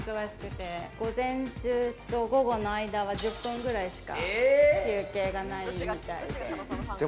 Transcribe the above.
午前中と午後の間は１０分ぐらいしか休憩がないみたいで。